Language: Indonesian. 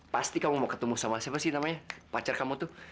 pasti kamu mau ketemu sama siapa sih namanya pacar kamu tuh